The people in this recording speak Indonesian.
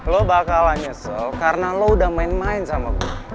lo bakalan nyesel karena lo udah main main sama gue